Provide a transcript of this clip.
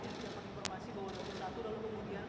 sudah menginformasi bahwa nomor satu lalu kemudian